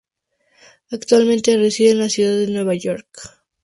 Actualmente reside en la Ciudad de Nueva York.